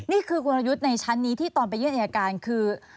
นี่คือกลยุทธ์ในชั้นนี้ที่ตอนไปยื่นอายการคือ